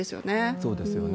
そうですよね。